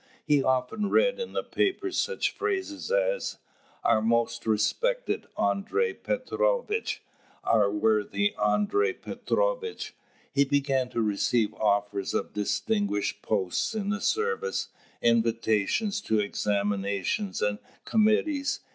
He often read in the papers such phrases as, "Our most respected Andrei Petrovitch; our worthy Andrei Petrovitch." He began to receive offers of distinguished posts in the service, invitations to examinations and committees.